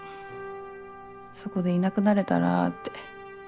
そこでいなくなれたらって。